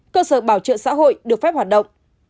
cơ sở bảo trợ xã hội được phép hoạt động